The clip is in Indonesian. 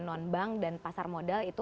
non bank dan pasar modal itu